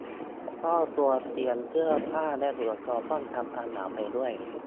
ก็ควรเตรียมเสื้อผ้าและอุปกรณ์ป้องกันความหนาวไปด้วย